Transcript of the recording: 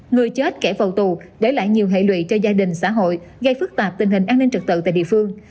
người chết kẻ cầu tù để lại nhiều hệ lụy cho gia đình xã hội gây phức tạp tình hình an ninh trật tự tại địa phương